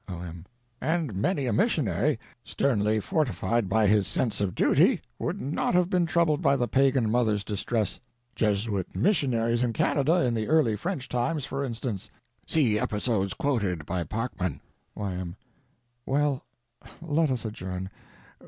O.M. And many a missionary, sternly fortified by his sense of duty, would not have been troubled by the pagan mother's distress—Jesuit missionaries in Canada in the early French times, for instance; see episodes quoted by Parkman. Y.M. Well, let us adjourn.